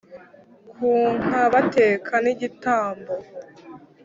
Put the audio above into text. ku nka Bateka n igitambo